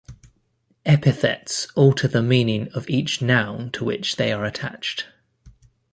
Epithets alter the meaning of each noun to which they are attached.